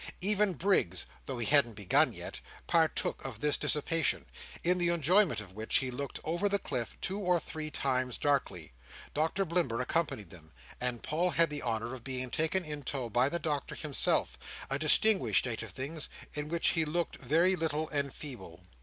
Even Briggs (though he hadn't begun yet) partook of this dissipation; in the enjoyment of which he looked over the cliff two or three times darkly. Doctor Blimber accompanied them; and Paul had the honour of being taken in tow by the Doctor himself: a distinguished state of things, in which he looked very little and feeble.